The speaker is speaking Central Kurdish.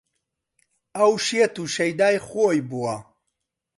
ئەو شێت و شەیدای خۆی بووە